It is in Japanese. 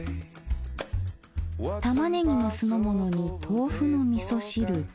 玉ねぎの酢の物に豆腐の味噌汁。